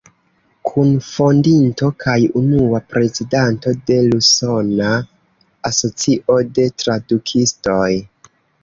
Kunfondinto kaj unua prezidanto de l' Usona Asocio de Tradukistoj.